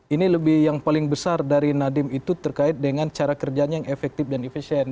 ini lebih yang paling besar dari nadiem itu terkait dengan cara kerjanya yang efektif dan efisien